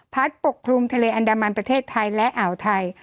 ปกคลุมทะเลอันดามันประเทศไทยและอ่าวไทย